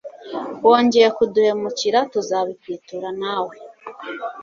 Wongeye kuduhemukira tuza bikwitura nawe